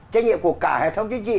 trách nhiệm của cả hệ thống chính trị